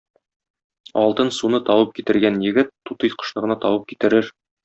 Алтын суны табып китергән егет тутый кошны да табып китерер.